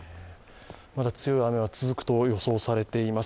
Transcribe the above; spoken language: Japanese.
まだ強い雨が続くと予想されています。